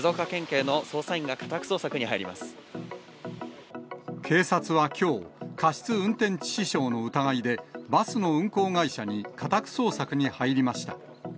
警察はきょう、過失運転致死傷の疑いで、バスの運行会社に家宅捜索に入りました。